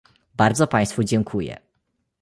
Bardzo państwu dziękuje